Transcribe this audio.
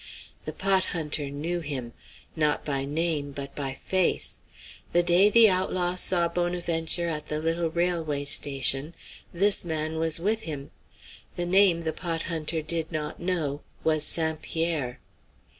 The pot hunter knew him. Not by name, but by face. The day the outlaw saw Bonaventure at the little railway station this man was with him. The name the pot hunter did not know was St. Pierre.